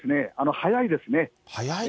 早いですよね。